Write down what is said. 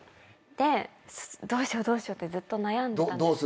でどうしようどうしようってずっと悩んでたんですけど。